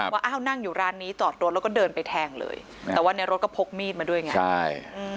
ว่าอ้าวนั่งอยู่ร้านนี้จอดรถแล้วก็เดินไปแทงเลยแต่ว่าในรถก็พกมีดมาด้วยไงใช่